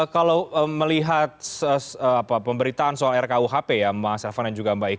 kalau melihat pemberitaan soal rkuhp ya mas elvan dan juga mbak ika